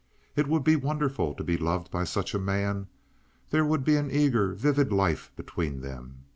It would be wonderful to be loved by such a man. There would be an eager, vivid life between them.